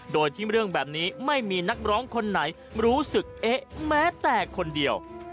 โดยที่เรื่องแบบนี้ไม่มีนักร้องคนไหนรู้สึกเอ๊ะแม้แต่คนเดียว